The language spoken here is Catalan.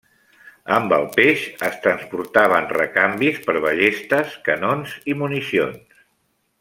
Amb el peix es transportaven recanvis per ballestes, canons i municions.